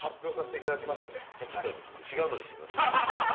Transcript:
じゃあちょっと違うのにしてください。